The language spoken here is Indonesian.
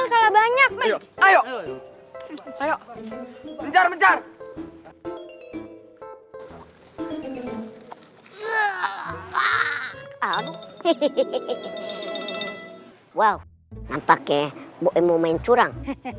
sultan siap untuk menang